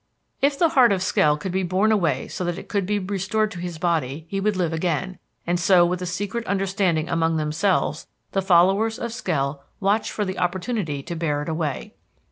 "If the heart of Skell could be borne away so that it could be restored to his body he would live again, and so with a secret understanding among themselves the followers of Skell watched for the opportunity to bear it away.